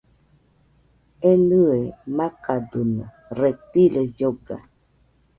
Enɨe makadɨno, reptiles lloga